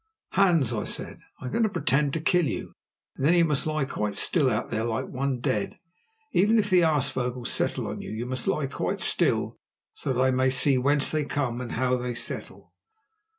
"Hans," I said, "I am going to pretend to kill you, and then you must lie quite still out there like one dead. Even if the aasvogels settle on you, you must lie quite still, so that I may see whence they come and how they settle."